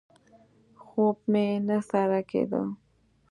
خوب مې نه سر کېده.